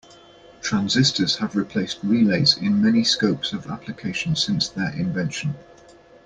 Transistors have replaced relays in many scopes of application since their invention.